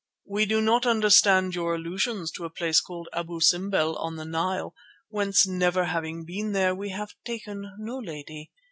We do not understand your allusions to a place called Abu Simbel on the Nile, whence, never having been there, we have taken no lady.